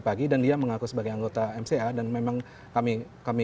pagi dan dia mengaku sebagai anggota mca dan memang kami